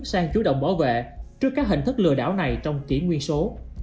sang chủ động bảo vệ trước các hình thức lừa đảo này trong kỷ nguyên số